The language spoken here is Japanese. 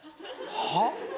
はっ？